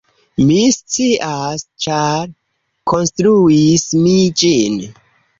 Mi scias, ĉar konstruis mi ĝin.